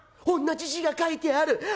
おんなじ字が書いてある。